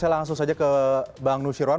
saya langsung saja ke bang nusyirwan